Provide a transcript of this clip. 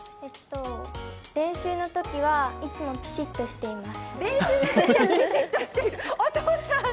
練習のときはいつもきちっとしています。